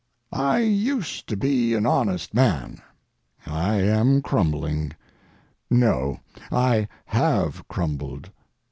I used to be an honest man. I am crumbling. No—I have crumbled.